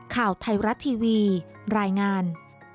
ข่าวไทยรัฐทีวีรายงาน